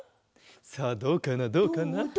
さあどうかなどうかな？